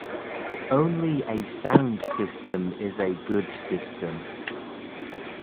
Only a sound system is a good system.